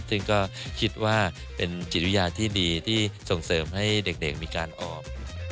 ซึ่งก็คิดว่าเป็นจิตวิทยาที่ดีที่ส่งเสริมให้เด็กมีการออก